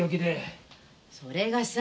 それがさ